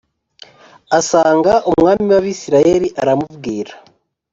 asanga umwami w’Abisirayeli aramubwira